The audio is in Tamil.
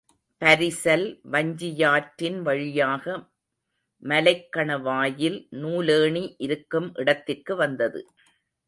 பரிசல் வஞ்சியாற்றின் வழியாக மலைக்கணவாயில் நூலேணி இருக்கும் இடத்திற்கு வந்தது.